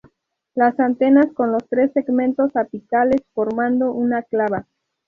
Las antenas con los tres segmentos apicales formando una clava.